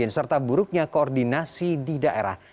serta buruknya koordinasi di daerah